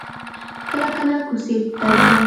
کله کله کوڅې ته درځم.